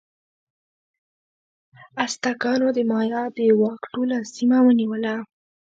ازتکانو د مایا د واک ټوله سیمه ونیوله.